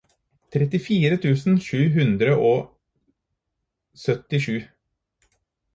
trettifire tusen sju hundre og syttisju